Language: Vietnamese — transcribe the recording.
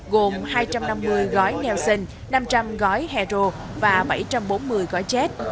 gồm hai trăm năm mươi gói nelson năm trăm linh gói hedro và bảy trăm bốn mươi gói jet